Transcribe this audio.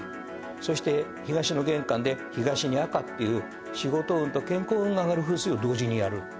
そして東の玄関で東に赤っていう仕事運と健康運が上がる風水を同時にやる。